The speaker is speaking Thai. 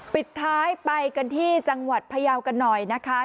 ปิดท้ายไปกันที่จังหวัดพยาวกันหน่อยนะคะ